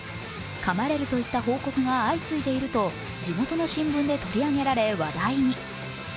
かまれるといった報告が相次いでいると地元の新聞で取り上げられ話題に。